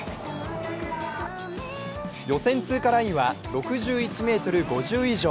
予選通過ラインは６１ｍ５０以上。